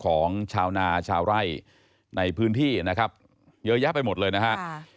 ของชาวนาชาวไร่ในพื้นที่นะครับเยอะแยะไปหมดเลยนะฮะ